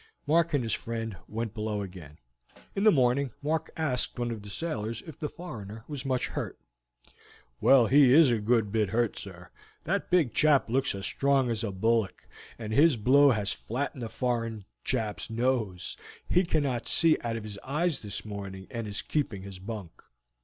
Mark and his friend went below again. In the morning Mark asked one of the sailors if the foreigner was much hurt. "Well, he is a good bit hurt, sir. That big chap looks as strong as a bullock, and his blow has flattened the foreign chap's nose. He cannot see out of his eyes this morning, and is keeping his bunk.